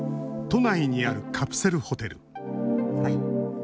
都内にある、カプセルホテル。